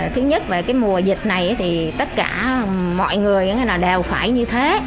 thứ nhất là cái mùa dịch này thì tất cả mọi người đều phải như thế